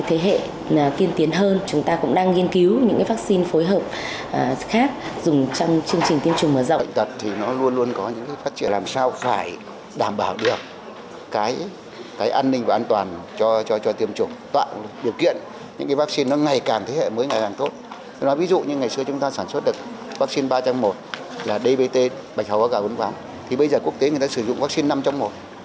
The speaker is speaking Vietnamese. ở thế hệ kiên tiến hơn chúng ta cũng đang nghiên cứu những vaccine phối hợp khác dùng trong chương trình tiêm chủng mở rộng